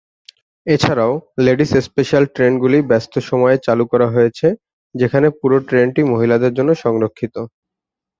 এছাড়াও, "ladies special" ট্রেনগুলি ব্যস্ত সময়ে চালু করা হয়েছে, যেখানে পুরো ট্রেনটি মহিলাদের জন্য সংরক্ষিত।